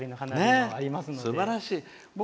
すばらしい。